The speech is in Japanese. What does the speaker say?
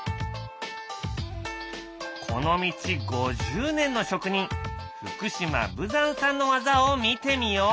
この道５０年の職人福島武山さんの技を見てみよう。